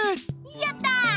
やったぁ！